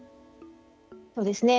そうですね。